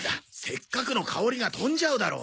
せっかくの香りが飛んじゃうだろ。